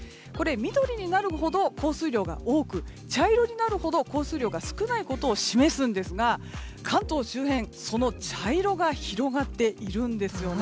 緑になるほど降水量が多く茶色になるほど、降水量が少ないことを示すんですが関東周辺、その茶色が広がっているんですよね。